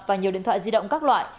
và nhiều điện thoại di động các loại